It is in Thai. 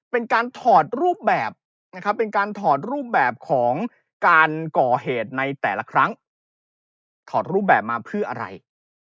เป็นการถอดรูปแบบนะครับเป็นการถอดรูปแบบของการก่อเหตุในแต่ละครั้งว่าถอดรูปแบบมาเพื่ออะไร